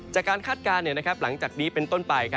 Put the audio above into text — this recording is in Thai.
คาดการณ์หลังจากนี้เป็นต้นไป